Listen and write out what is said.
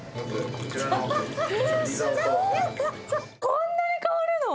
こんなに変わるの！？